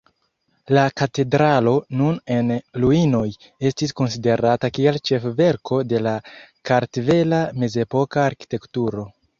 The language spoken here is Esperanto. La katedralo, nun en ruinoj, estis konsiderata kiel ĉefverko de la kartvela mezepoka arkitekturo.